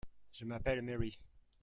Je m'appelle Mary.